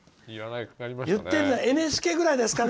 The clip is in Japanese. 言ってるのはＮＨＫぐらいですかね。